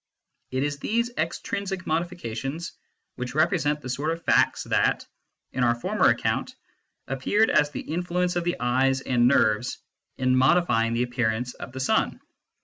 It is these extrinsic modifications which represent the sort of facts that, in our former account, appeared as the influence of the eyes and nerves in modifying the appearance of the sun.